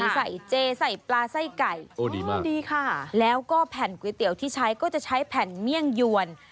ใส่เจใส่ปลาไส้ไก่โอ้ดีมากดีค่ะแล้วก็แผ่นก๋วยเตี๋ยวที่ใช้ก็จะใช้แผ่นเมี่ยงยวน